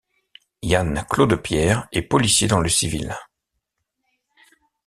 Yann Claudepierre est policier dans le civil.